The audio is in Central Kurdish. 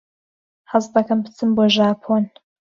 حەز دەکەم بچم بۆ ژاپۆن.